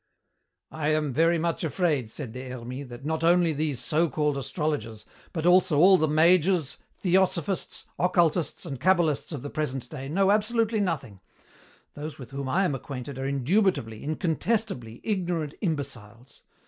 "I am very much afraid," said Des Hermies, "that not only these so called astrologers, but also all the mages, theosophists, occultists, and cabalists of the present day, know absolutely nothing those with whom I am acquainted are indubitably, incontestably, ignorant imbeciles.